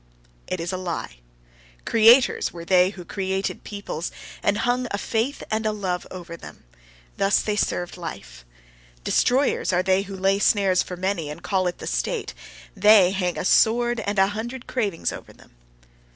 It is a lie! Creators were they who created peoples, and hung a faith and a love over them: thus they served life. Destroyers, are they who lay snares for many, and call it the state: they hang a sword and a hundred cravings over them.